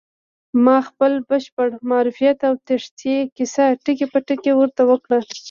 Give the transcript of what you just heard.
ما خپل بشپړ معرفت او تېښتې کيسه ټکی په ټکی ورته وکړه.